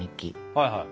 はいはい。